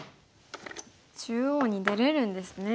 中央に出れるんですね。